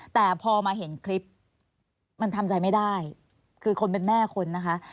แต่พอมาเห็นคลิปมันทำใจไม่ได้คือคนเป็นแม่คนนะคะ